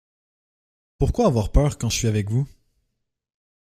Pourquoi avoir peur quand je suis avec vous ?